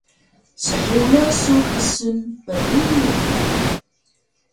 Shuya su ksun priyux?